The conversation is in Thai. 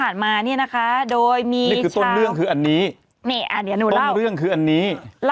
นี่อ่ะเดี๋ยวหนูเล่าเล่าอันนี้